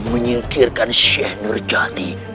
menyingkirkan seh nurjati